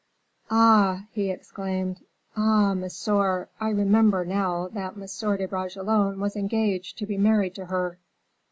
"Ah!" he exclaimed "ah! monsieur, I remember now that M. de Bragelonne was engaged to be married to her."